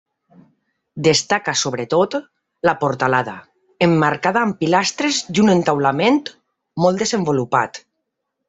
Destaca, sobretot, la portalada, emmarcada amb pilastres i un entaulament molt desenvolupat.